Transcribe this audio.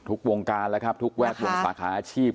ทุกวงการแล้วครับทุกแวดวงสาขาอาชีพ